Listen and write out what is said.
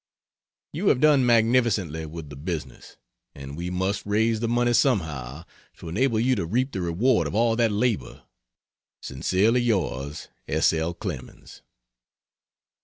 You have done magnificently with the business, and we must raise the money somehow, to enable you to reap the reward of all that labor. Sincerely Yours S. L. CLEMENS.